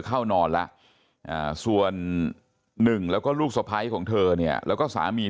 เข้านอนแล้วส่วนหนึ่งแล้วก็ลูกสะพ้ายของเธอเนี่ยแล้วก็สามี